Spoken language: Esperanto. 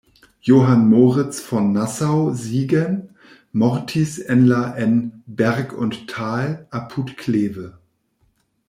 Johann Moritz von Nassau-Siegen mortis en la en "Berg und Tal" apud Kleve.